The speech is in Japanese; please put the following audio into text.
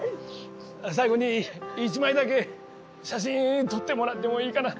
最後に一枚だけ写真撮ってもらってもいいかな？